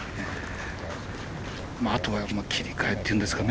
あとは切り替えというんですかね。